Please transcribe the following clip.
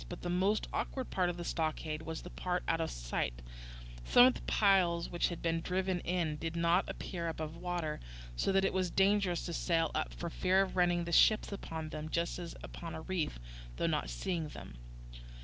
But the most awkward part of the stockade was the part out of sight: some of the piles which had been driven in did not appear above water, so that it was dangerous to sail up, for fear of running the ships upon them, just as upon a reef, through not seeing them.